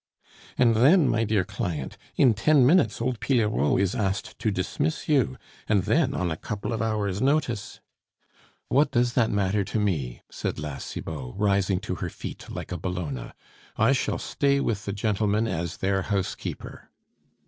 "And then, my dear client, in ten minutes old Pillerault is asked to dismiss you, and then on a couple of hours' notice " "What does that matter to me?" said La Cibot, rising to her feet like a Bellona; "I shall stay with the gentlemen as their housekeeper."